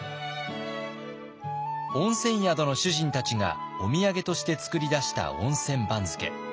温泉宿の主人たちがお土産として作り出した温泉番付。